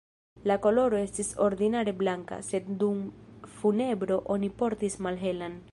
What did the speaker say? La koloro estis ordinare blanka, sed dum funebro oni portis malhelan.